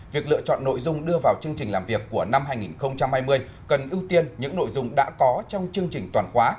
việc lựa chọn nội dung đưa vào chương trình làm việc của năm hai nghìn hai mươi cần ưu tiên những nội dung đã có trong chương trình toàn khóa